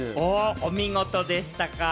お見事でしたか。